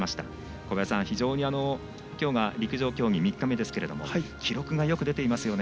小林さん、きょうが陸上競技３日目ですが記録がよく出ていますね。